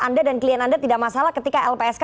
anda dan klien anda tidak masalah ketika lpsk